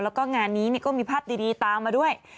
แล้วก็งานนี้ก็มีภาพดีตามมาด้วย